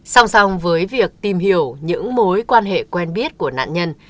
sông sông với việc tìm hiểu những mối quan hệ quen biết của nạn nhân